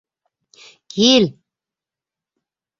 Кил!..